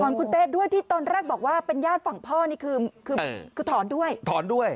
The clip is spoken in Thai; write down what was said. ถอนคุณเต๊ะด้วยที่ตอนแรกบอกว่าเป็นญาติฝั่งพ่อนี่คือถอนด้วย